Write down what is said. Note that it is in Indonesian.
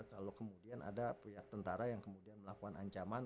kalau kemudian ada pihak tentara yang kemudian melakukan ancaman